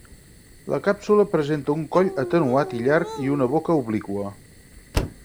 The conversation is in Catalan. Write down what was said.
La càpsula presenta un coll atenuat i llarg i una boca obliqua.